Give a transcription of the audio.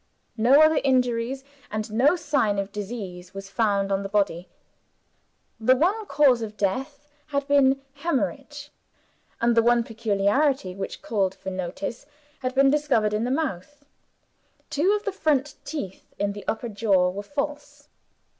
No other injuries, and no sign of disease, was found on the body. The one cause of death had been Hemorrhage; and the one peculiarity which called for notice had been discovered in the mouth. Two of the front teeth, in the upper jaw, were false.